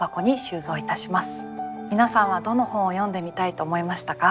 皆さんはどの本を読んでみたいと思いましたか？